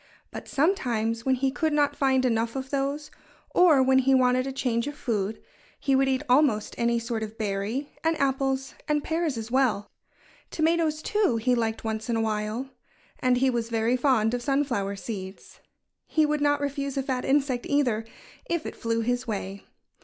But sometimes when he could not find enough of those, or when he wanted a change of food, he would eat almost any sort of berry, and apples and pears as well. Tomatoes, too, he liked once in a while. And he was very fond of sunflower seeds. He would not refuse a fat insect, either, if it flew his way.